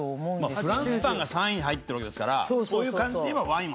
フランスパンが３位に入ってるわけですからそういう感じで言えばワインも。